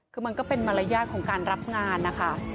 คือมันก็เป็นมารยาทของการรับงานนะคะ